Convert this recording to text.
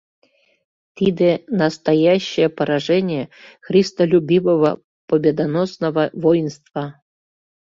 — Тиде — настоящее поражение христолюбивого победоносного воинства.